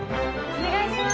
お願いします。